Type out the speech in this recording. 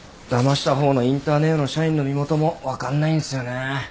だました方のインターネオの社員の身元も分かんないんすよね。